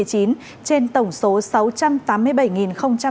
trên tổng số sáu trăm tám mươi bảy sáu mươi ba ca mắc